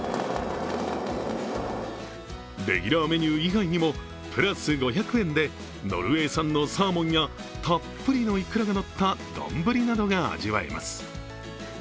レギュラーメニュー以外にもプラス５００円でノルウェー産のサーモンやたっぷりのいくらがのった丼などが味わえます。